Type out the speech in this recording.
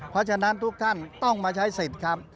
เพราะฉะนั้นทุกท่านต้องมาใช้สิทธิ์ครับ